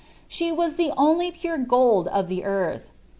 She was the only pure gold of the earth.